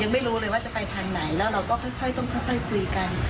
ไม่รู้เลยว่าจะไปทางไหนแล้วเราก็ค่อยต้องค่อยคุยกัน